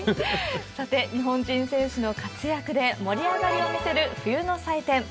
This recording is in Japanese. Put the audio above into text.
さて、日本人選手の活躍で盛り上がりを見せる冬の祭典。